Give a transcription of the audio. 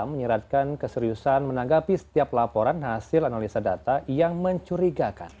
menyeratkan keseriusan menanggapi setiap laporan hasil analisa data yang mencurigakan